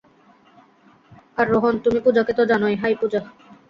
আর রোহন, তুমি পুজাকে তো জানোই, - হাই, পূজা।